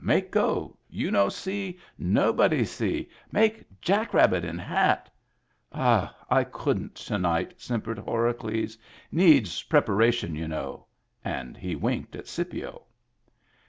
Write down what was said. Make go. You no see. Nobody see. Make jack rabbit in hat —"" I couldn't to night," simpered Horacles. " Needs preparation, you know." And he winked at Scipio.